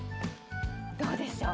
どうでしょう？